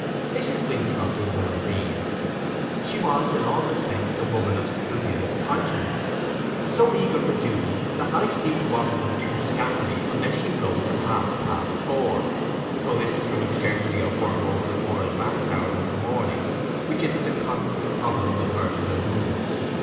Mrs. Winthrop was one of these: she was in all respects a woman of scrupulous conscience, so eager for duties that life seemed to offer them too scantily unless she rose at half past four, though this threw a scarcity of work over the more advanced hours of the morning, which it was a constant problem with her to remove.